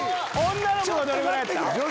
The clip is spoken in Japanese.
女の子どれくらいやった？